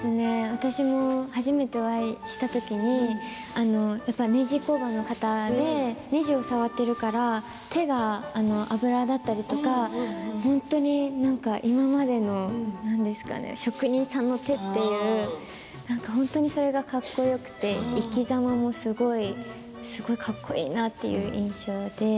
私も初めてお会いした時にやっぱりねじ工場の方でねじを触っているから手が油だったりとか本当に今までの職人さんの手というそれがかっこよくて生きざまもすごくかっこいいなという印象で。